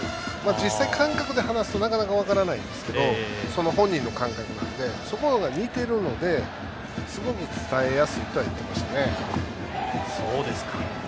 実際、感覚で話すとなかなか分からないんですがけど本人の感覚なのでそこが似ているのですごく伝えやすいとは言っていましたね。